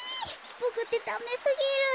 ボクってダメすぎる。